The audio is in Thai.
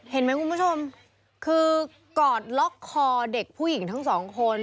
เห็นไหมคุณผู้ชมคือกอดล็อกคอเด็กผู้หญิงทั้งสองคน